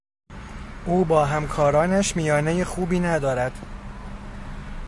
او با همکارانش میانهی خوبی ندارد.